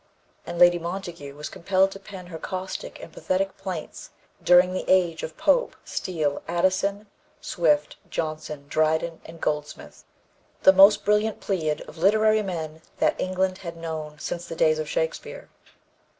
And Lady Montagu was compelled to pen her caustic and pathetic plaints during the age of Pope, Steele, Addison, Swift, Johnson, Dryden and Goldsmith the most brilliant pleiad of literary men that England had known since the days of Shakespeare.